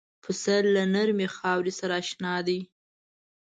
پسه له نرمې خاورې سره اشنا دی.